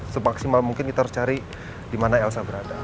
semaksimal mungkin kita harus cari di mana elsa berada